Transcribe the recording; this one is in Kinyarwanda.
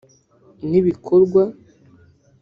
n’ibikorwa